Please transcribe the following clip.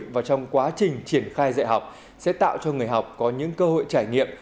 và trong quá trình triển khai dạy học sẽ tạo cho người học có những cơ hội trải nghiệm